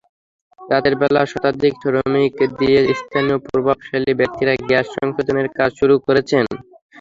রাতের বেলা শতাধিক শ্রমিক দিয়ে স্থানীয় প্রভাবশালী ব্যক্তিরা গ্যাস-সংযোগের কাজ শুরু করেছেন।